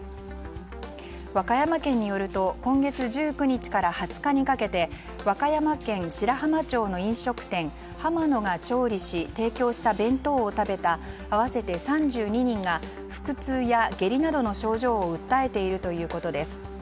和歌山県によると今月１９日から２０日にかけて和歌山県白浜町の飲食店はま乃が調理し提供した弁当を食べた合わせて３２人が腹痛や下痢などの症状を訴えているということです。